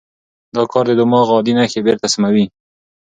دا کار د دماغ عادي نښې بېرته سموي.